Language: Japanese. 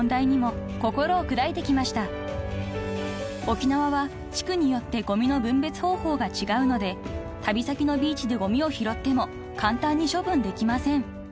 ［沖縄は地区によってごみの分別方法が違うので旅先のビーチでごみを拾っても簡単に処分できません］